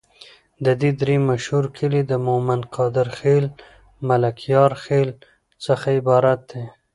د دي درې مشهور کلي د مومد، قادر خیل، ملکیار خیل څخه عبارت دي.